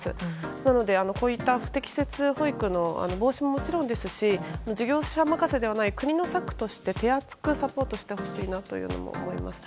なのでこういった不適切な保育の防止ももちろんです事業者任せではない国の策として手厚くサポートしてほしいなと思います。